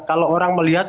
kalau orang melihat